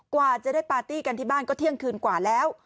กว่าจะได้ปาร์ตี้กันที่บ้านก็เที่ยงคืนกว่าแล้ว